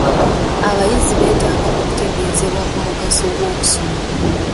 Abayizi beetaaga okutegeezebwa ku mugaso gw'okusoma.